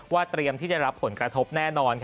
เตรียมที่จะรับผลกระทบแน่นอน